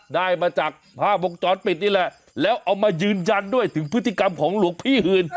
ได้มาจากภาพวงจรปิดนี่แหละแล้วเอามายืนยันด้วยถึงพฤติกรรมของหลวงพี่อื่น